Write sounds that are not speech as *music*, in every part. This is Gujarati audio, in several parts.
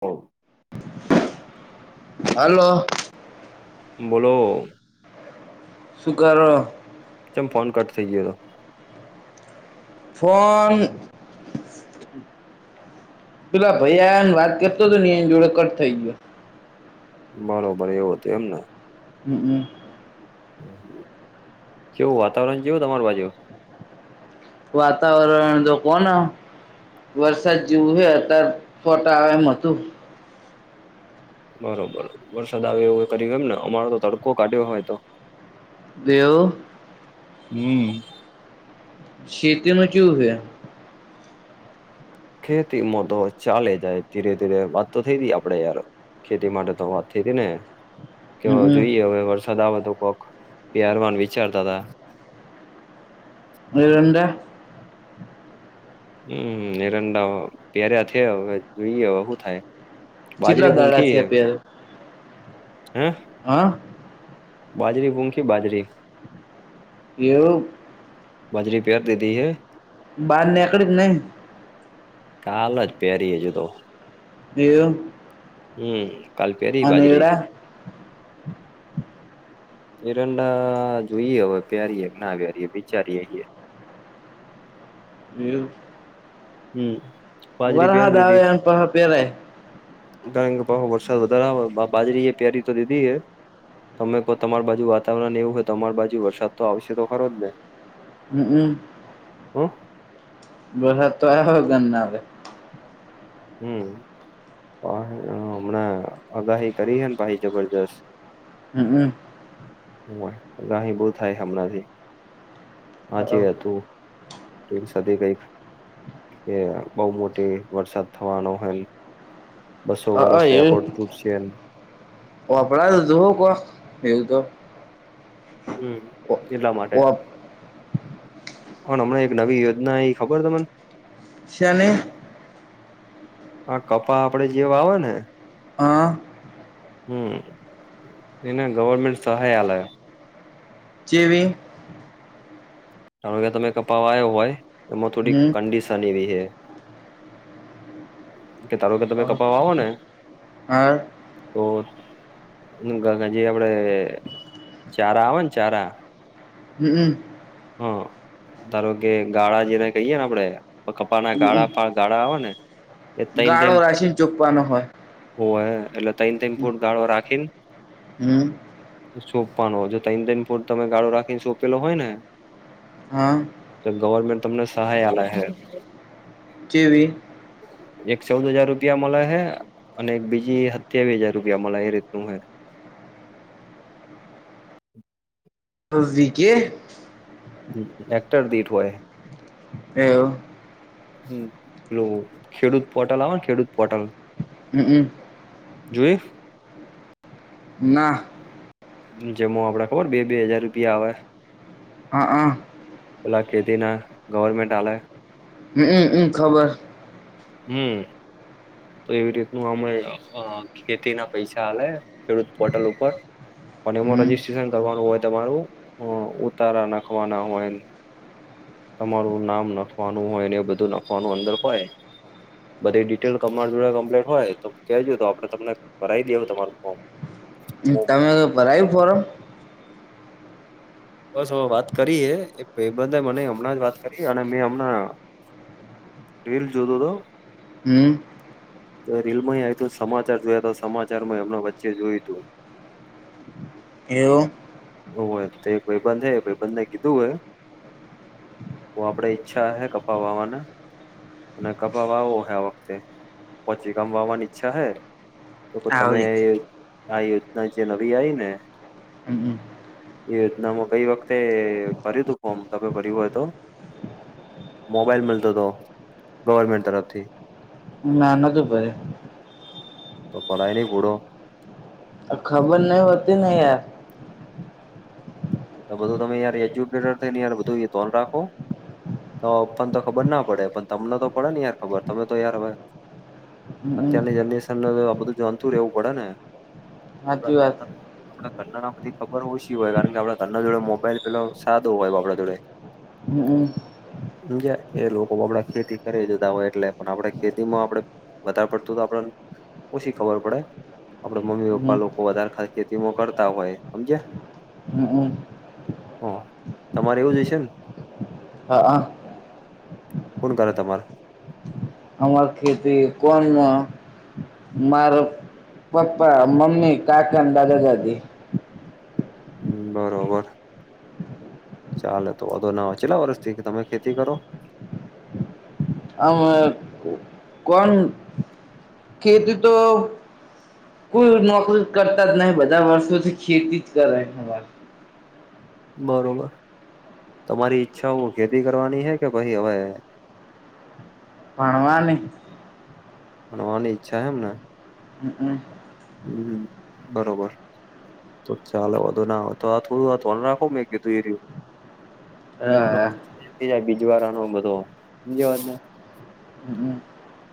હ. હાલો. બોલો. શું કરો? જેમ ફોન કટ થઈ ગયો હતો. ફોન પેલા ભૈયાને વાત કરતો તો, એન જોડે કટ થઈ ગયો. બરોબર એવુ હતું એમને. હમ્મ. કેવુ વાતાવરણ જોયું તમારે બાજુ? વાતાવરણ તો કોણ વરસાદ જેવું હે, અત્યારે છાંટા આવે એમ નથી. બરોબર, વરસાદ આવેયો, એ કરી એમને અમારે તો તડકો કાઢ્યો હતો. *unintelligible* હમ્મ. *unintelligible* ચેવુ હે ખેતીમાં તો ચાલે જાય ધીરે ધીરે વાત તો થઈ તી આપડે યાર ખેતી માટે તો વાત થઈ તી ને કે જોઈએ હમ હવે વરસાદ આવે તો કોક પ્યારવાનું વિચારતા તા *inaudible* એરંડા માં *unintelligible* છે હવે જોઈએ હવે શું થાય? બાજરી કેટલા દાડા પૂંખી છે હૈ પેર હા હા? બાજરી પૂંખી બાજરી એવું? બાજરી પેયર દીધી હે બહાર નેકળી કે નહી? કાલ જ પહેરી હજુ તો *inaudible* હમ્મ કાલ પેરી અને બાજરી એડા એરંડા જોઈએ હવે *unintelligible* વિચારીએ‌ હીએ *unintelligible* હમ્મ વરહાદ આવે એમ *unintelligible* *inaudible* વરસાદ વધારે આવે બાજરી એ *unintelligible* તો દીધી એ તમે કો તમાર બાજુ વાતાવરણ એવું હોય તો તમાર બાજુ વરસાદ તો આવશે તો ખરો જ ને હમ્મ હમ્મ? વરહાદ તો આવે કેમ નો આવે. હમ્મ *unintelligible* હમણાં આગાહી કરી હે ન પાહી જબરજસ્ત હમ્મ અ હોવે અગાહી બહું થાય હમણાંથી હાચી હમ વાતો *unintelligible* એ બહુ મોટી વરસાદ થવાનો હોય. *inaudible* પણ તૂટશે ને હમ્મ એટલા માટે પણ હમણા એક નવી યોજના આવી ખબર તમને? શેની? આ કપા આપડે જે વાવો ને હા હમ્મ એન ગવર્મેન્ટ સહાય આલે ચેવી? હવે તમે કપા વાઈવો હોય હમ *unintelligible* સારી એવી હે કે ધારો કે તમે કપા વાવો ને હા તો *unintelligible* જે આપડે ચારા આવે ને ચારા હમ્મ હા ધારો કે ગાળા જેને કહીયે ને આપણેે કપાના ગાળા પણ ગાળા આવે ને એ તન તન ગાળો રાખીને ચોપવાનો હોય હોવે એટલે તૈન તન ફૂટ ગાળો રાખીને હમ સોંપવાનો હોય, તન તન ફૂટ ગાળો રાખીને સોંપેલો હોય ને. હા. તો ગવર્મેન્ટ તમને સહાય આલે હે. ચેવી. એક ચૌદ હજાર રૂપિયા મળે હે, અને એક બીજી હત્યાવી હજાર રૂપિયા મળે એ, રીતનું હે. વિધે હેક્ટર દીઠ હોય. એવુ. હમ, પેલું ખેડૂત પોટલ આવે ને, ખેડૂત પોટલ. હમ. જોયું. ના. જેમ આપડે ખબર બે-બે હજાર રૂપિયા આવે. હા, અ પેલા ખેતી ના ગવર્મેન્ટ આલે. હમમ, હમ ખબર. હમ. તો એવી રીતનું આમ ખેતી ના પૈસા આલે, ખેડૂત પોર્ટલ ઉપર અને એમાં હમ રજીસ્ટ્રેશન કરવાનું હોય, તમારું ઉતારા નાખવાના હોયને. તમારું નામ નખવાનું હોય ને, એ બધું નખવાનું અંદર હોય. બધી ડિટેલ તમારી જોડે કમ્પ્ટ હોય તો, કજ તો આપડે તમને કરાવી દેવા તમારું ફોર્મ. હું તમે તો ભરાયું ફોરમ? બસ વાત કરીએ, એક ભાઈબંદે મને હમણાં જ વાત કરી અને મેં હમણાં. રીલ જોતો તો. હમ. તો રીલ માંય સમાચાર જોયા તો, સમાચાર માં એમના વચ્ચે જોયું તું. એવું. ઓ તો ભાઈબંધ હૈ, ભાઈબંધ ને કીધું હૈ. આપડે ઈચ્છા હે, કપા વાવાના. અને કપા વાવો હ, આ વખતે પીચ ગામ વાવાની ઈચ્છા હૈ. તો તમે આવરી આ યોજના જે નવી આઈ ને. હમ. એ યોજનામાં ગઈ વખતે ભર્યું તું, ફોર્મ તમે ભર્યું હોય તો. મોબાઈલ મળતો તો, ગવર્મેન્ટ તરફથી. ના નતો ભર્યું. તો ભલાય નહી ગૂડો. ખબર નહી હોતી ને યાર. તો બધું તમે યાર એજ્યુકેટ થઈ ને, એ બધું ધોન રાખો. તા પપ્પા ન તો ખબર ના પડે, પણ તમને તો પડે ને યાર ખબર, તમે તો યાર હ હમ અત્યારની જનરેશનને આ બધું જોનતું રેએવું પડે ને. આ સાચી વાત આપડા ઘરના પધી ખબર ઓછી હોય, કારણ કે આપડા ઘરને જોડે મોબાઈલ પેલો સાદો હોય, બાપડા જોડે. હમ. જ એ લોકો આપડા ખેતી કરે જતા હોય, એટલે પણ આપડે ખેતી માં આપડે વધાર પડતું તો આપડન ઓસી ખબર પડે, આપડે હમ મમ્મી-પપ્પા લોકો વધારે ખેતીમાં કરતા હોય, હમજ્યા? હ, હમ. હ, તમારે એવું જ હશે ને. હા, હા. કુણ કર તમારુ? હમાર ખેતી કોણ અ માર પપ્પા, મમ્મી, કાકાન, દાદા-દાદી. હમ, બરોબર. ચાલે તો વાધો ના આવે, કેટલા વર્ષથી તમે ખેતી કરો? અમે કોણ? ખેતી તો કોઈ નોકરી કરતા જ નહી, બધા વર્ષોથી ખેતી જ કરે. બરોબર તમારી ઈચ્છા, હું ખેતી કરવાની હે કે પહી હવે ભણવાની. ભણવાની ઈચ્છા હ એમ ને. હમ, હમ. હમ, બરોબર. તો ચાલે વોધો ના આવે તો, આ થોડું આ ધોન રાખો, મે કીધું એ રહ્યું. તો એટલો હા ખર્ચો જાય, બીજી વાર આનો બધો બીજ વાત ને. હમ, હમ.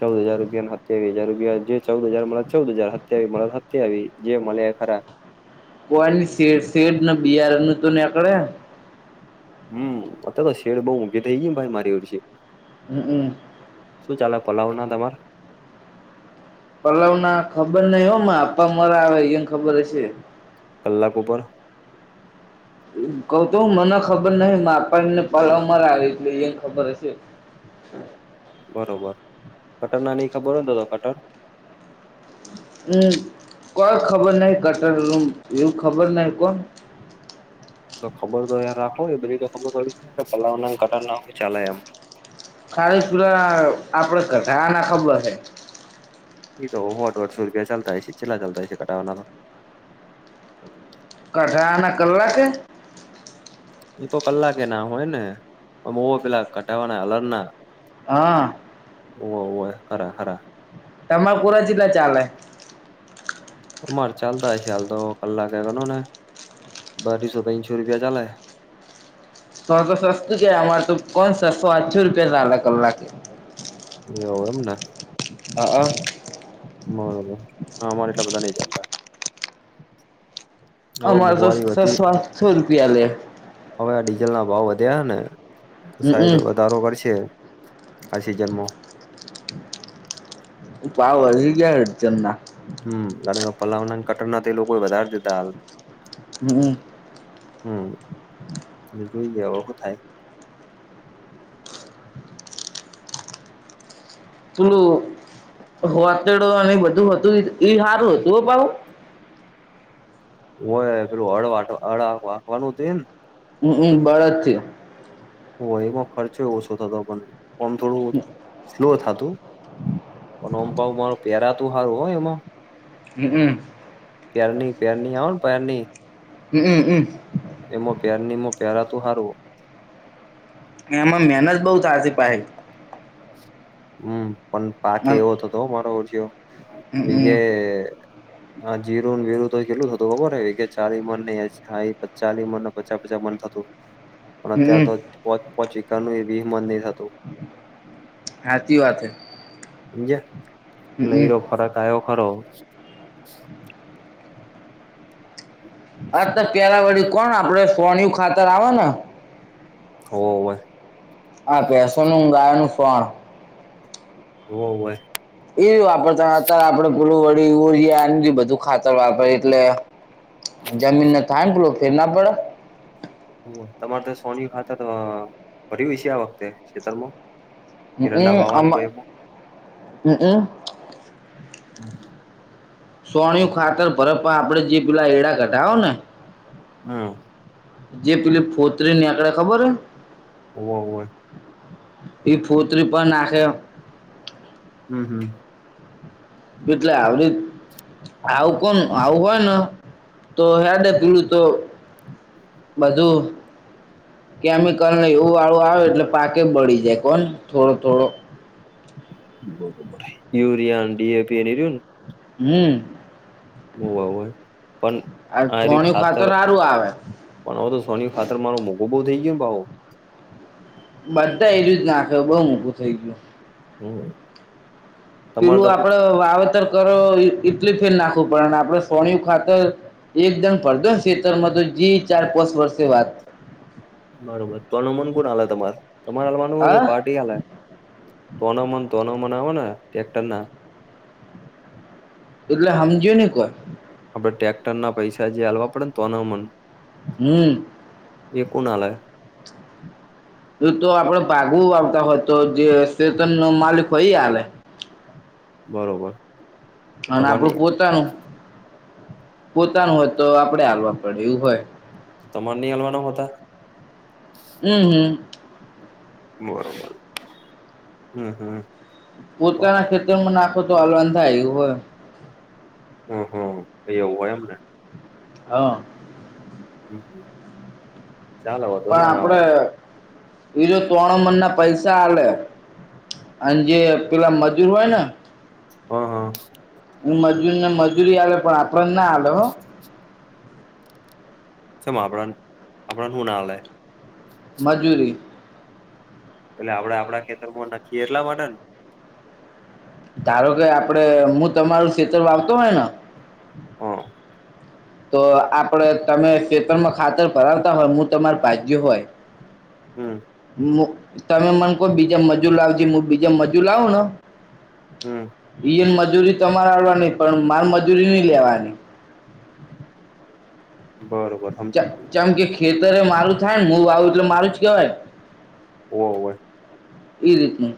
ચૌદ હજાર રૂપિયા નું હજાર રૂપિયા, જે ચૌદ હજાર મળે, ચૌદ હજાર. સત્યાવી મળે તો, સત્યાવી જે મળે એ ખરા. કોઈની શે શેડ નું બિયારણનું તો નેકળે. હમ, અત્યારે તો શેડ બઉુ ઊઘી થઇ ગયા ભાઈ. હમ, હ. શું ચાલે પલાવના તમાર? પલાવના ખબર નઈ હોમાં અપ્પા મરાવે ઇયોન ખબર હશે. કલાક ઉપર? કેવતો, હું મન ખબર નહીં માં પપ્પા એમને પલવ મરાવે, એટલે એમ ખબર હશે. બરોબર, કટરના ની ખબર હોતો તો કટર? હમ, કોઈ ખબર નહીં, કટરનું એવું ખબર નહી કોણ તો ખબર તો યાર રાખો બધી તો ખબર પડી છે કે, પલાવના કટરના ચલે એમ. ખાલી પુરા આપડ ના ખબર હે. એ તો હો ડોડસો રૂપિયા ચાલતા હશે, ચેટલા ચાલતા હશે, કાઢવાના તો‌. કઢાઆના કલાકે? એતો કલાકે ના હોયને, અમો પેલા ક્ઢઆવાના હાલરના. હા. હોવે, હોવે, ખરા-ખરા. તમાર કોરે ચેટલા ચાલે? અમારે ચાલતા હશે, હાલતો તો કલાકે ગનોને અઢીસો-તનસો રૂપિયા ચાલે. તોતો સસ્તું કેવાય અમાર તો કોણ સસ્સો-આઠસો રૂપિયા ચાલ કલાકે એવુ એમને. હઅ *unintelligible* બરોબર, અમાર એટલા બધા નહી ચાલતા. હવે અમાર તો મોંઘવારી વધી સસ્સો-આઠસો રૂપિયા લે. હવે આ ડીઝલના ભાવ વધ્યા હને તો સાયદ હમમ દરો વરશે આ સિજન મોં ભાવ વધી ગ્યા અડચનના હમ્મ ગાડીના પલાવના ન કટરના તો એ લોકો વધારે દેતાઆલ હં હં જોઈએ ઓવે હું થાય થોડુ હોતળો અને બધું હતું ઇ હારું હતું હો પાહુ હોયે પેલું હળ વાટ *unintelligible* તે ન હં ઈ બળદથી હોળીમાં ખર્ચોય ઓછો થતો પન ઓમ થોડું સ્લો થાતું પન ઓમ પાવ માર પેરાતુ હારું હો એમાં હં હં પેરની પેરની આવન પેરની હમ્મ હં હં એમ પેરની મો પેરાતુ હારું એમાં મેનત બઉ થાય સે પાહી હમ્મ પન પાકે એવો થતો હં મારો *unintelligible* વીજે હમમ હા જીરું ન વિરું તો કેટલુ હતું ખબરે *unintelligible* ચાલી મન પચા પચા મન થતું પણ અત્યારે હમમ તો પોચ પોચ એકરનુંય વિહ મન ની થતું હાચી વાત છે. હમજ્યા એટલે એરો ફરક આયો ખરો આ તો પેલા આપડે વળી કોણ આપડે સોણયુ ખાતર આવે ન હોવે હા ભેસોનું ન ગાયોનું સોણ હોવે એય વાપરતા હતા આપણેે ફુલું વળી ઉરયા નજી બધું ખાતર વાપરે એટલે જમીનને થાય ને પેલુ ફેર ના પડે તમારે તો સોણીયુ ખાતર તો પડ્યુ અશે આ વખતે ખેતરમાં કિરણના હમમ આમાં હમમ *unintelligible* સોણીયુ ખાતર ભરે પણ આપડે જી પેલા એળા કઢાવ ને હં જે પેલી ફોત્રી નેકળે ખબર એ હોવે હોવે ઇ ફોત્રી પન નાખે હં હં *unintelligible* આવું કોમ આવું હોય ન તો હેડે પીડુ તો બધું કેમિકલને એવું વાળું આવે એટલે પાકે બળી જાય કોન થોડો થોડો યુરિયા ન ડી એ પી ને એ રયુ ન હં *unintelligible* હોય પન આ આરયુ છોણિયું ખાતર સારું આવે પણ ઓ તો સોણીયુ ખાતર મારુ મોંઘુ બવ થઈ ગયુ ને ભાવ બધા *unintelligible* નાખે બઉ મોઘું થઇ ગયું હમ તમારે પેલું તો આપડે વાવેત કરો ઇટલી ફેલ નાખવું પડે ન આપડે સોણયું ખાતર એકદમ પરદસ તેતર મા ત જી ચાર પસ વર્ષે વાત બરોબર, તણુ મન કોન આલે તમાર તમારે આલવા નું હોય હા કે પાર્ટી આલે. તોનો મન તોનો મનાવો ને ટેક્ટરના એટલે હામજ્યું ને કોઈ, આપડે ટ્રેક્ટર ના પૈસા જે આલવા પડે ને તોના મન, હમ, એ કોણ આલે? એ તો આપડે ભાગવું આવતા હોય તો જે શેતન માલિક હોય ઈ આલે, બરોબર. અને તમાર ની આપણું પોતાનું પોતાનું હોય તો આપડે આલવા પડે એવું હોય. તમાર ની હાલવાના હોતા અ હ, બરોબર હમ હમ, પોતાના ખેતરમાં નાખો તો આલવાં નુ થાય એવું હોય. હ, હ તે એવું હોય એમને, હા, હમ હમ, પણ આપડે એ જો ત્રણ મનના પૈસા આલે, અન જે પેલા મજૂર હોય ને, હ હા, મજુરીને મજૂરી આલે પણ આપડે ના આલે હ, ચેમ આપણા ન આપણા ન હુના આલે, મજૂરી, એટલે આપડે આપડા ખેતરમાં નાખીએ એટલા માટે ને, ધારો કે આપડે હું તમારું ષેતર વાવતો હોય ને, હા, તો આપડે તમે ખેતરમાં ખાતર ભરાવતા હોય હું તમારે ભાગ્યુ હોય હમ, મુ તમે મને કહ બીજા મજુ લાવજે હુ બીજા મજુર લાવું ને હમ ઈય મજૂરી તમારે આલવા ની પણ માલ મજૂરી નઈ લેવાતી. બરોબર ચ સમજી ચમ કે ખેતરે એ મારું થાય ને હું વાવું એટલે મારું જ કેવાય. ઓવ હોય, ઈ રીતનું,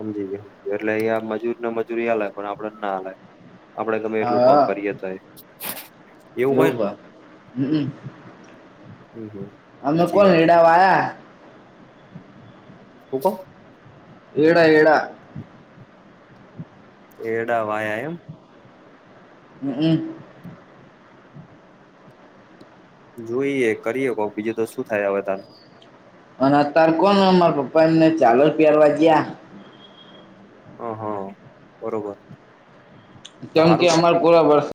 હમજી ગયો એટલે અહીંયા મજૂર ને મજૂરી આલે પણ આપડે ના આલાય. આપડે ગમે એટલું કોમ હા કરીએ તો એ એવું હોય ને, હમ, હમ હમ અમને કો સાચી વાત એડા વાયા, હું કો, એડા એડા, એડા વાયા એમ, હ હમ, જોઈએ કરીએ કોક બીજું તો શું થાય હવે તાર, અને અત્યાર કોણ અમારા પપ્પા ને ચાલો જ પ્યરવા ગયા. હ હા બરોબર, કેમ કે, સારું અમાર પૂરા વર્ષ